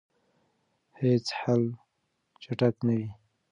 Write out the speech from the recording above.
هیڅ حل چټک نه وي.